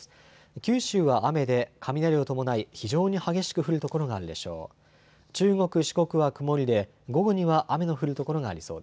九州は雨で雷を伴い非常に激しく降る所があるでしょう。